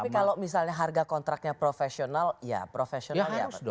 tapi kalau misalnya harga kontraknya profesional ya profesional ya profesional